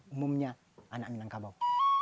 umumnya anak minangkabau